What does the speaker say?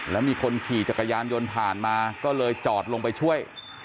แล้วมีคนขี่จักรยานยนต์ผ่านมาก็เลยจอดลงไปช่วย